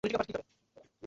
আমরা তালা দিয়ে দিবো।